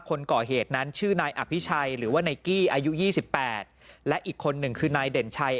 คนก่อเหตุนั้นชื่อนายอภิชัยหรือว่านายกี้อายุ๒๘และอีกคนหนึ่งคือนายเด่นชัย